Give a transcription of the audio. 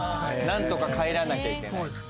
何とか帰らなきゃいけないそうです